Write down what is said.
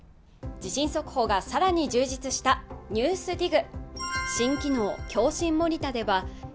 地震速報がさらに充実した「ＮＥＷＳＤＩＧ」